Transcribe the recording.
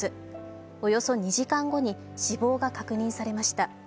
およそ２時間後に死亡が確認されました。